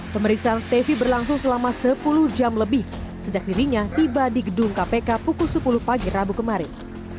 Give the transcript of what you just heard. pemeriksaan stefi berlangsung selama sepuluh jam lebih sejak dirinya tiba di gedung kpk pukul sepuluh pagi rabu kemarin